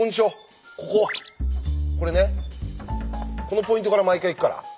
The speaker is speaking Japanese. このポイントから毎回いくから。